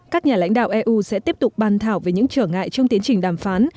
các nhà lãnh đạo eu sẽ tiếp tục bàn thảo về những trở ngại trong tiến trình đàm phán